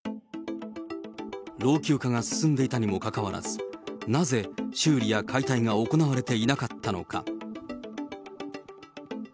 老朽化が進んでいたにもかかわらず、なぜ修理や解体が行われていなかったのか。